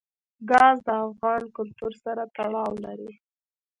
ګاز د افغان کلتور سره تړاو لري.